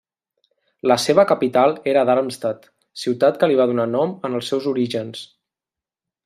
La seva capital era Darmstadt, ciutat que li va donar nom en els seus orígens.